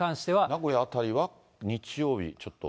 名古屋辺りは日曜日、ちょっと。